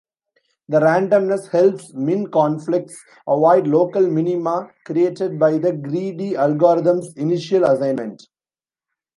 The randomness helps min-conflicts avoid local minima created by the greedy algorithm's initial assignment.